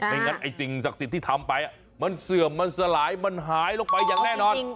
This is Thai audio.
งั้นไอ้สิ่งศักดิ์สิทธิ์ที่ทำไปมันเสื่อมมันสลายมันหายลงไปอย่างแน่นอน